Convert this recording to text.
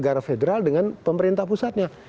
negara federal dengan pemerintah pusatnya